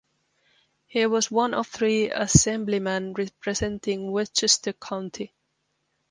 He was one of three Assemblyman representing Westchester County.